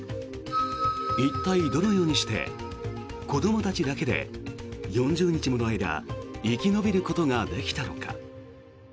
一体、どのようにして子どもたちだけで４０日もの間生き延びることができたのか。